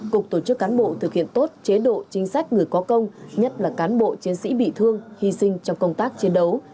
cục tổ chức cán bộ thực hiện tốt chế độ chính sách người có công nhất là cán bộ chiến sĩ bị thương hy sinh trong công tác chiến đấu